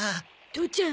父ちゃん